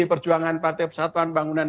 perjuangan partai persatuan bangunan